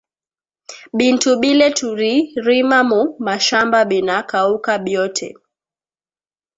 Bintu bile turi rima mu mashamba bina kauka biote